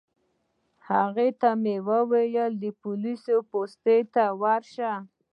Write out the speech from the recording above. هغه ته مې وویل پولیس پوستې ته ورشه.